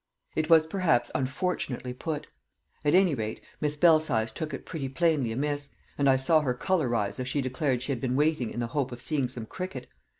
It was perhaps unfortunately put; at any rate Miss Belsize took it pretty plainly amiss, and I saw her colour rise as she declared she had been waiting in the hope of seeing some cricket.